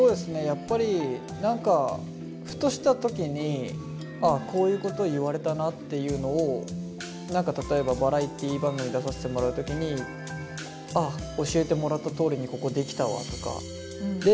やっぱり何かふとした時にこういうことを言われたなっていうのを何か例えばバラエティー番組出させてもらう時にあっ教えてもらったとおりにここできたわ！とか。